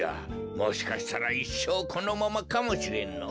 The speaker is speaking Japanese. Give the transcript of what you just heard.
もしかしたらいっしょうこのままかもしれんのぉ。